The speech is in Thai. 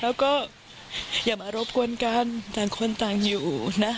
แล้วก็อย่ามารบกวนกันต่างคนต่างอยู่นะ